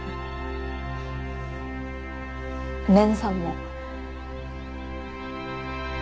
蓮さんも。